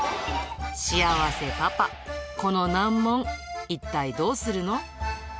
幸せパパ、この難問、一体どうするの？